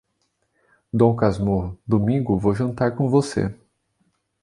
Dom Casmurro, domingo vou jantar com você.